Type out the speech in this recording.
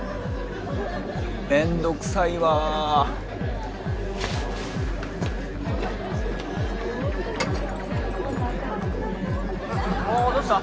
めんどくさいわおぉどうした？